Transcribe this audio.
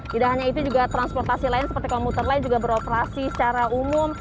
tidak hanya itu juga transportasi lain seperti komuter lain juga beroperasi secara umum